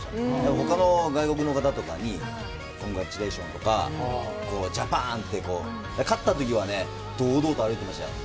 他の外国の方とかにコングラッチュレーション！とかジャパーン！って勝った時は堂々と歩いてましたね。